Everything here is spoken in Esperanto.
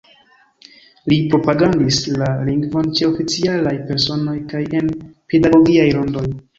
Li propagandis la lingvon ĉe oficialaj personoj kaj en pedagogiaj rondoj.